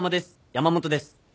山本です」